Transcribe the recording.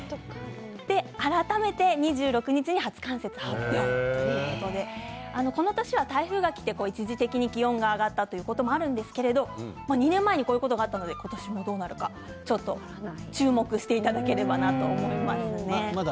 改めて２６日に初冠雪と発表ということでこの年は台風がきて一時的に気温が上がったということもあるんですけれど２年前にこういうことがあったので今年もどうなるかちょっと注目していただければなと思います。